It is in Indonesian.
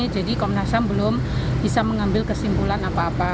jadi komnas ham belum bisa mengambil kesimpulan apa apa